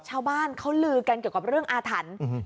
ชาวบ้านเขาลือกันเกี่ยวกับเรื่องอาถรรพ์